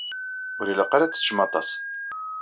Ur ilaq ara ad teččem aṭas.